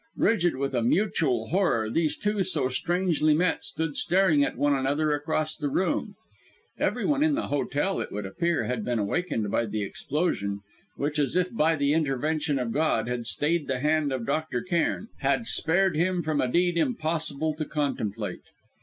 Rigid with a mutual horror, these two so strangely met stood staring at one another across the room. Everyone in the hotel, it would appear, had been awakened by the explosion, which, as if by the intervention of God, had stayed the hand of Dr. Cairn had spared him from a deed impossible to contemplate.